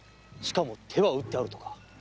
しかも手は打ってあるとか。